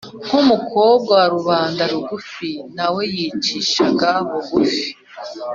nk’umukobwa wa rubanda rugufi, na we yicishaga bugufi